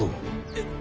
えっ